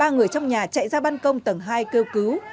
ba người trong nhà chạy ra ban công tầng hai kêu cứu